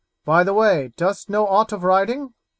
By the way, dost know aught of riding?"